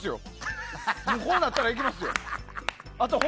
こうなったらいきますよ。